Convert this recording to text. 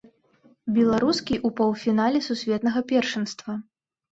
Беларускі ў паўфінале сусветнага першынства!